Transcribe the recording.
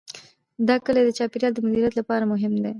دا کلي د چاپیریال د مدیریت لپاره مهم دي.